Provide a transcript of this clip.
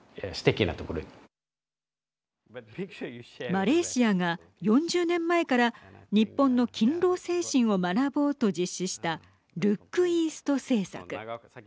マレーシアが４０年前から日本の勤労精神を学ぼうと実施したルックイースト政策。